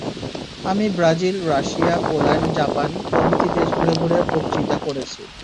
আমি Brazil, Russia, Poland, Japan প্রভৃতি দেশ ঘুরে ঘুরে বক্তৃতা করেছি।